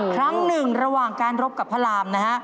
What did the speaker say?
ครั้งหนึ่งระหว่างการรบกับพระรามนะฮะ